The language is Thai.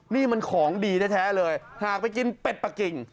นี่มันของดีแท้เลยหากไปกินเป็ดปะกิ่ง